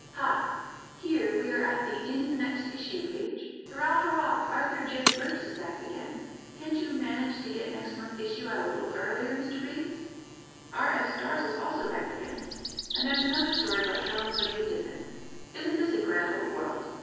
Ha! Here we are at the "In the Next Issue" page. Hurrah! Hurrah! Arthur J. Burks is back again! Can't you manage to get next month's issue out a little earlier, Mr. Bates? R. F. Starzl's also back again; and there's to be another story by Charles W. Diffin. Isn't this a grand old world?